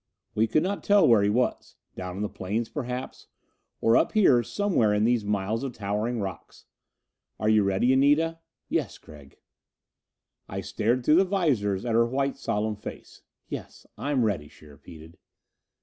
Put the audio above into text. We could not tell where he was. Down on the plains, perhaps? Or up here, somewhere in these miles of towering rocks? "Are you ready, Anita?" "Yes, Gregg." I stared through the visors at her white, solemn face. "Yes, I'm ready," she repeated.